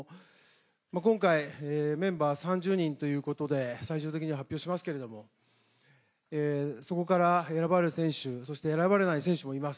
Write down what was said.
今回メンバー３０人ということで、最終的には発表しますけれども、そこから選ばれる選手、そして選ばれない選手もいます。